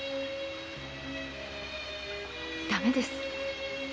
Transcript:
駄目です